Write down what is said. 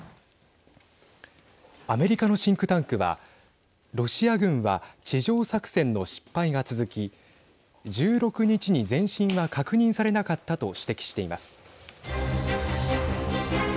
アメリカのシンクタンクはロシア軍は地上作戦の失敗が続き１６日に前進は確認されなかったと指摘しています。